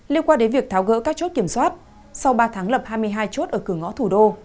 liên quan đến việc tháo gỡ các chốt kiểm soát sau ba tháng lập hai mươi hai chốt ở cửa ngõ thủ đô